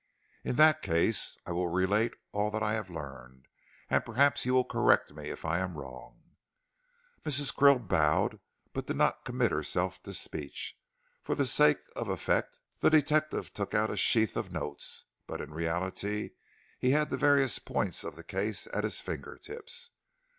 "In that case I will relate all that I have learned, and perhaps you will correct me if I am wrong." Mrs. Krill bowed but did not commit herself to speech. For the sake of effect the detective took out a sheaf of notes, but in reality he had the various points of the case at his finger tips.